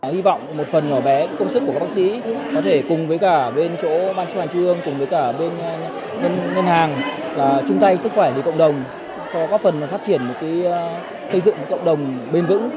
hy vọng một phần công sức của các bác sĩ có thể cùng với cả bên chỗ ban chủ hành chương cùng với cả bên ngân hàng chung tay sức khỏe của cộng đồng có phần phát triển xây dựng cộng đồng bền vững